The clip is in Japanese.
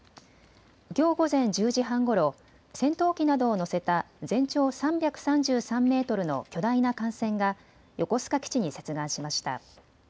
きょう午前１０時半ごろ戦闘機などを載せた全長３３３メートルの巨大な艦船が横須賀基地に接岸しました。